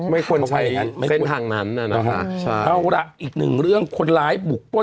ไม่ควรใช้นั้นเส้นทางนั้นนั้นนะคะใช่แล้วอีกหนึ่งเรื่องคนร้ายบุกป้น